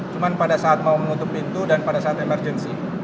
cuma pada saat mau menutup pintu dan pada saat emergency